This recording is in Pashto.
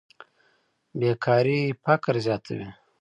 بېکاري فقر زیاتوي.